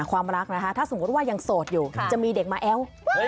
ความรักนะคะถ้าสมมุติว่ายังโสดอยู่จะมีเด็กมาแอ้ว